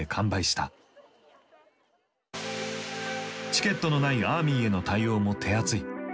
チケットのないアーミーへの対応も手厚い。